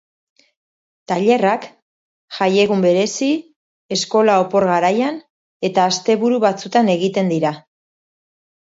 Tailerrak, jai egun berezi, eskola opor-garaian eta asteburu batzutan egiten dira.